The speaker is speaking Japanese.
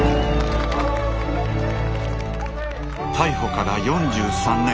逮捕から４３年。